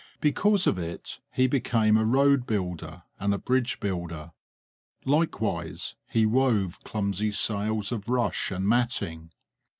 Because of it he became a road builder and a bridge builder; likewise, he wove clumsy sails of rush and matting.